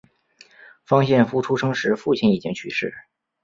方献夫出生时父亲已经去世。